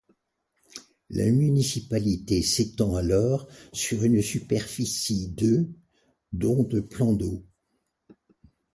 La municipalité s'étend alors sur une superficie de dont de plans d'eau.